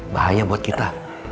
bahaya buat kita